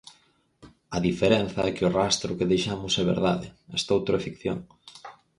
A diferenza é que O rastro que deixamos é verdade, estoutro é ficción.